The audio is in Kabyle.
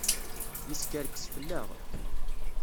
Yeskerkes fell-aɣ.